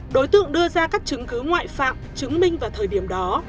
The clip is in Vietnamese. đối tượng đưa ra các chứng cứ ngoại phạm chứng minh vào thời điểm đó